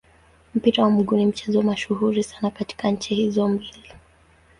Mpira wa miguu ni mchezo mashuhuri sana katika nchi hizo mbili.